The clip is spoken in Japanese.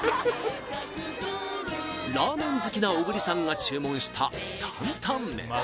ラーメン好きな小栗さんが注文した坦々麺